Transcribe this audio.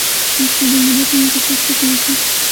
مسئلہ جمہوریت نہیں، کثرت کی خواہش ہے۔